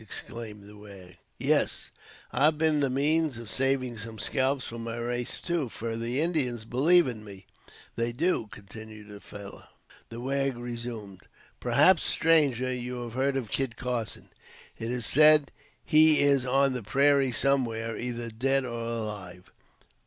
exclaimed the wag. "Yes! and I've bin the means of saving some scalps for my race too, fur the Injins believe in me, they do," continued the fellow. The wag resumed "Perhaps, stranger, you have heard of Kit Carson. It is said he is on the prairies somewhere, either dead or alive."